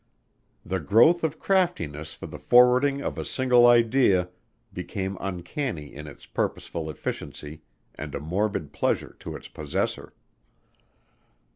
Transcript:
The growth of craftiness for the forwarding of a single idea became uncanny in its purposeful efficiency and a morbid pleasure to its possessor.